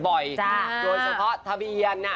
โดยเฉพาะทะเบียน